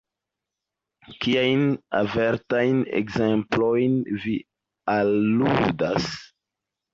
Kiajn avertajn ekzemplojn vi aludas?